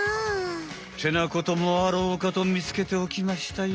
ってなこともあろうかとみつけておきましたよ。